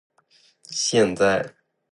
现在太冷，你夏天到我们这里来。